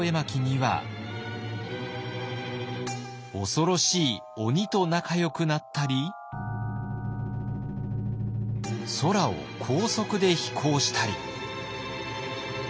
恐ろしい鬼と仲よくなったり空を高速で飛行したり。